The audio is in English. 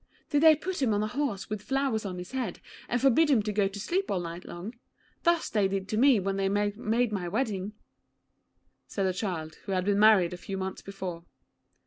'Did they put him on a horse with flowers on his head, and forbid him to go to sleep all night long? Thus they did to me when they made my wedding,' said the child, who had been married a few months before.